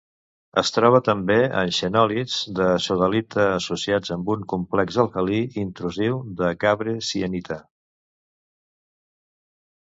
Es troba també en xenòlits de sodalita associats amb un complex alcalí intrusiu de gabre-sienita.